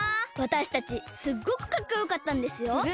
わたしたちすっごくかっこよかったんですよ。